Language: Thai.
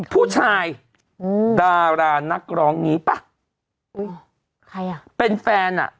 ผู้ชายอืมดารานักร้องนี้ป่ะอุ้ยใครอ่ะเป็นแฟนอ่ะ